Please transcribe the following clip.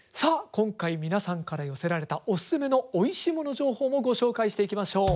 今回皆さんから寄せられたおすすめのおいしいもの情報もご紹介していきましょう。